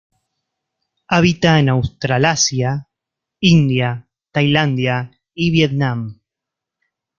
Habita en Australasia, India, Tailandia y Vietnam.